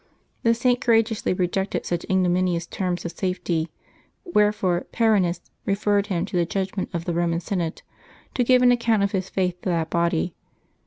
The Saint cour ageously rejected such ignominious terms of safety, wherefore Perennis referred him to the judgment of the Eoman senate, to give an account of his faith to that body.